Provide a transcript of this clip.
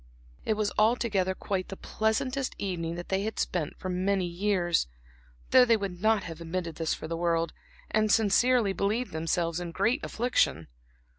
It was altogether quite the pleasantest evening that they had spent for many years, though they would not have admitted this for the world, and sincerely believed themselves in great affliction.